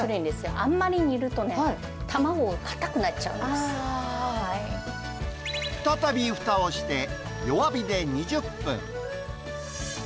あんまり煮るとね、再びふたをして弱火で２０分。